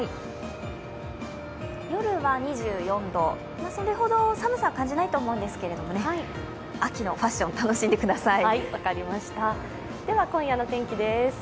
夜は２４度、それほど寒さは感じないと思うんですけれども秋のファッション、楽しんでください。